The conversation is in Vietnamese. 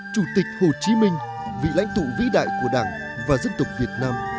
chủ tịch hồ chí minh vị lãnh tụ vĩ đại của đảng và dân tộc việt nam